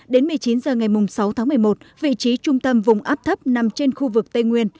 đến một mươi chín h ngày sáu tháng một mươi một vị trí trung tâm vùng áp thấp nằm trên khu vực tây nguyên